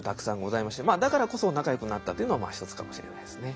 まあだからこそ仲良くなったというのもまあ一つかもしれないですね。